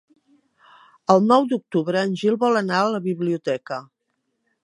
El nou d'octubre en Gil vol anar a la biblioteca.